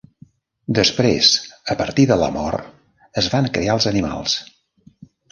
Després, a partir de l'amor, es van crear els animals.